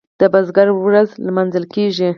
د بزګر ورځ لمانځل کیږي.